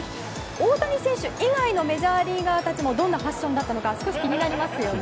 大谷選手以外のメジャーリーガーたちもどんなファッションだったのか少し気になりますよね。